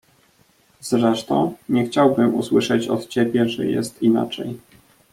"Zresztą, nie chciałbym usłyszeć od ciebie, że jest inaczej."